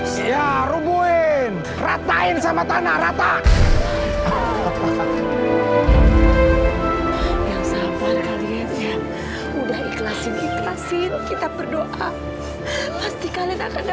sampai jumpa di video selanjutnya